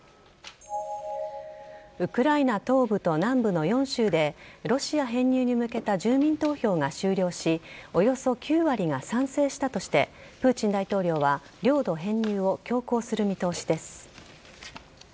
ウクライナ東部と南部の４州でロシア編入に向けた住民投票が終了しおよそ９割が賛成したとしてプーチン大統領は領土編入を強行する見通しです。